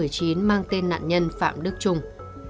giấy xác nhận tiêm covid một mươi chín mang tên nạn nhân phạm đức trung